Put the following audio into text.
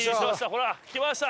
ほら来ました。